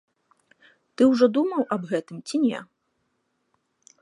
Ты ўжо думаў аб гэтым ці не?